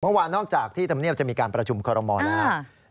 เมื่อวานนอกจากที่ธรรมเนียบจะมีการประชุมคอรมอลแล้ว